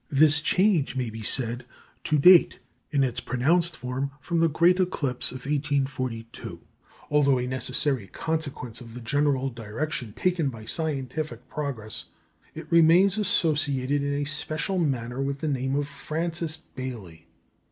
This change may be said to date, in its pronounced form, from the great eclipse of 1842. Although a necessary consequence of the general direction taken by scientific progress, it remains associated in a special manner with the name of Francis Baily.